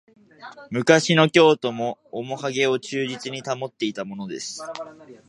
昔の京都のおもかげを忠実に保っていたものです